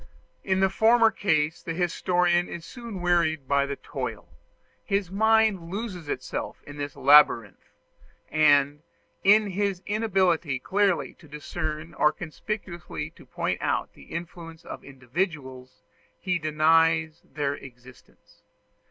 In the former case the historian is soon wearied by the toil; his mind loses itself in this labyrinth; and, in his inability clearly to discern or conspicuously to point out the influence of individuals, he denies their existence.